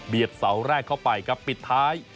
เบียดเสาแรกเข้าไปกับปิดท้าย